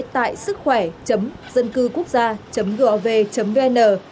tại sứckhỏe dâncưquốc gia gov vn